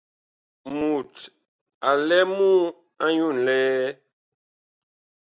Mut a lɛ va nyu nlɛɛ?